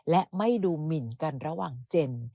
และไม่ดูหมินกันระหว่างเจน